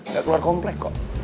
gak keluar komplek kok